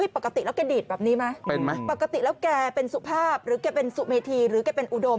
ปกติแล้วแกดีดแบบนี้ไหมปกติแล้วแกเป็นสุภาพหรือแกเป็นสุเมธีหรือแกเป็นอุดม